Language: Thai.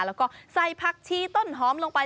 แล้วก็ใส่ผักชีต้นหอมลงไป